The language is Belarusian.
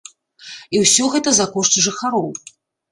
І ўсё гэта за кошт жыхароў.